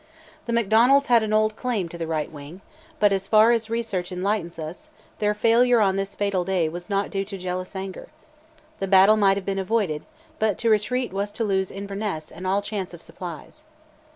The Macdonalds had an old claim to the right wing, but as far as research enlightens us, their failure on this fatal day was not due to jealous anger. The battle might have been avoided, but to retreat was to lose Inverness and all chance of supplies.